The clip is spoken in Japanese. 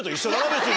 別に。